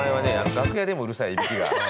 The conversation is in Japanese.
楽屋でもうるさいいびきが。